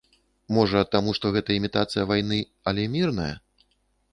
Можа, таму што гэта імітацыя вайны, але мірная?